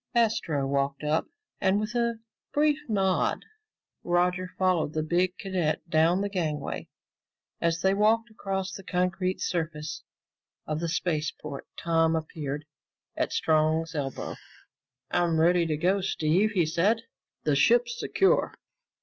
Astro walked up, and with a brief nod Roger followed the big cadet down the gangway. As they walked across the concrete surface of the spaceport, Tom appeared at Strong's elbow. "I'm ready to go, Steve," he said. "The ship's secure."